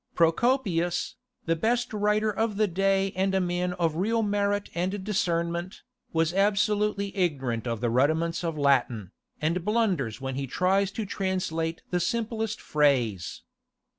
Procopius, the best writer of the day and a man of real merit and discernment, was absolutely ignorant of the rudiments of Latin, and blunders when he tries to translate the simplest phrase.